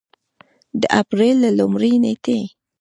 د اپرېل له لومړۍ نېټې